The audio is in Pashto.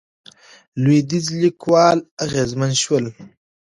لوېدیځ لیکوال اغېزمن شول.